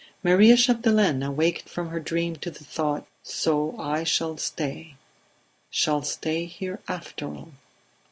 Maria Chapdelaine awaked from her dream to the thought: "So I shall stay shall. stay here after all!"